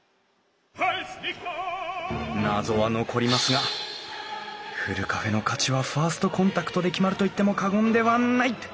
謎は残りますがふるカフェの価値はファーストコンタクトで決まると言っても過言ではない！